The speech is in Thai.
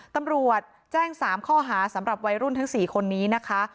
ตำรวจแจ้ง๓ข้อหาสำหรับวัยรุ่นทั้ง๔คนนี้นะคะ